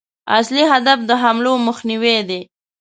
اصلي هدف د حملو مخنیوی دی.